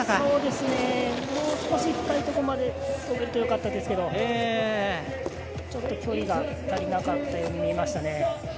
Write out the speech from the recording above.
そうですね、もう少し深いところまでこれるとよかったですけどちょっと距離が足りなかったように見えましたね。